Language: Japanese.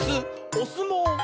「おすもう」！